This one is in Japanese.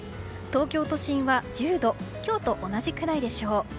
東京都心は１０度今日と同じぐらいでしょう。